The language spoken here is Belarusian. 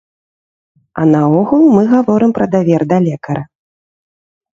А наогул, мы гаворым пра давер да лекара.